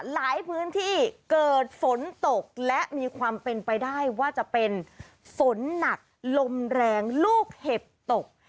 หลายพื้นที่เกิดฝนตกและมีความเป็นไปได้ว่าจะเป็นฝนหนักลมแรงลูกเห็บตก